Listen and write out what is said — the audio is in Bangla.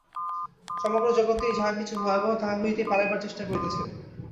সমগ্র জগৎই যাহা কিছু ভয়াবহ, তাহা হইতেই পলাইবার চেষ্টা করিতেছে।